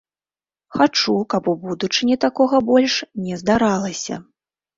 Хачу, каб у будучыні такога больш не здаралася.